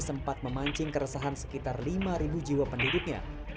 sempat memancing keresahan sekitar lima jiwa penduduknya